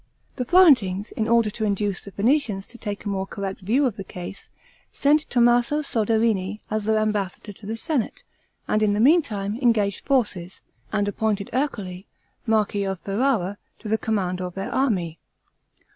The Florentines, in order to induce the Venetians to take a more correct view of the case, sent Tommaso Soderini as their ambassador to the senate, and, in the meantime, engaged forces, and appointed Ercole, marquis of Ferrara, to the command of their army.